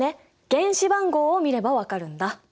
原子番号を見れば分かるんだ。